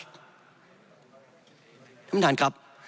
ท่านผู้ชายครับ